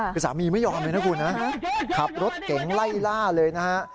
คือสามีไม่ยอมเลยนะคุณนะขับรถเก๋งไล่ล่าเลยนะฮะ